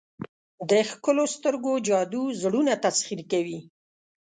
د ښکلو سترګو جادو زړونه تسخیر کوي.